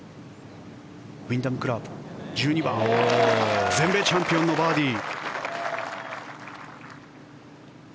ウィンダム・クラーク１２番、全米チャンピオンのバーディー。